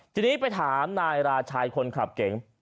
ทีนี้ไปถามนายราชัยคนขับเก๋ง